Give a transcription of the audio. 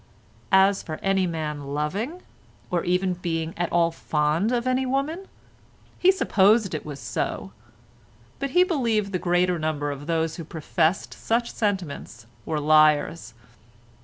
As for any man loving, or even being at all fond of any woman, he supposed it was so, but he believed the greater number of those who professed such sentiments were liars.